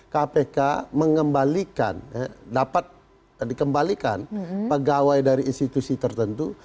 kpk mengembalikan dapat dikembalikan pegawai dari institusi tertentu